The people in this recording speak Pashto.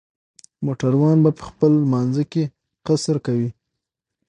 موټروان به په خپل لمانځه کې قصر کوي